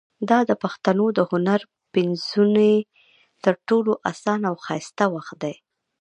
دا د پښتنو د هنر پنځونې تر ټولو اسانه او ښایسته وخت دی.